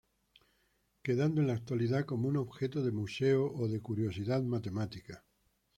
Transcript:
Quedando en la actualidad como un objeto de museo, o de curiosidad matemática.